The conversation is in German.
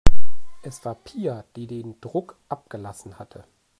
Es war Pia, die den Druck abgelassen hatte.